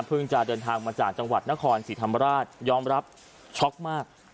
จะเดินทางมาจากจังหวัดนครศรีธรรมราชยอมรับช็อกมาก